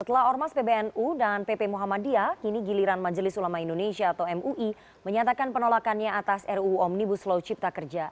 setelah ormas pbnu dan pp muhammadiyah kini giliran majelis ulama indonesia atau mui menyatakan penolakannya atas ruu omnibus law cipta kerja